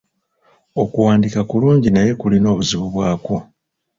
Okuwandiika kulungi naye kulina obuzibu bwakwo.